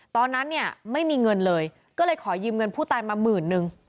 ตอนนั้นเนี่ยไม่มีเงินเลยก็เลยขอยืมเงินผู้ตายมาหมื่นนึง